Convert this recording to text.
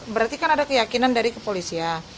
berarti kan ada keyakinan dari kepolisian